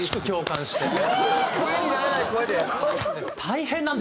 声にならない声で。